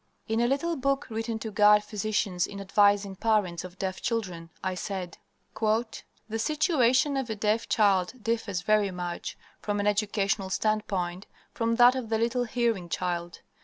In a little book written to guide physicians in advising parents of deaf children, I said: "The situation of a deaf child differs very much, from an educational standpoint, from that of the little hearing child.